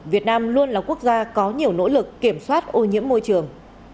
việt nam luôn là quốc gia có nhiều nỗ lực kiểm soát ô nhiễm môi trường